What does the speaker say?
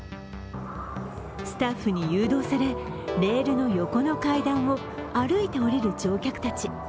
スタッフに誘導され、レールの横の階段を歩いて下りる乗客たち。